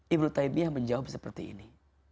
ibn taymiyah menjawab seperti ini